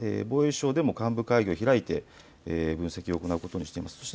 防衛省でも幹部会議を開いて分析を行うことにしています。